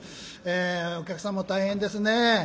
お客さんも大変ですね。